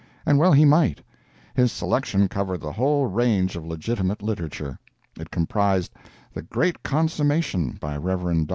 And well he might. His selection covered the whole range of legitimate literature. It comprised "The Great Consummation," by Rev. Dr.